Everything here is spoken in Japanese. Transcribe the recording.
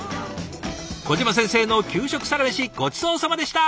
小島先生の給食サラメシごちそうさまでした！